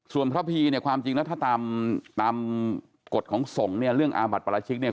ส่วนพระพีเนี่ยความจริงแล้วถ้าตามตามกฎของสงฆ์เนี่ยเรื่องอาบัติปราชิกเนี่ย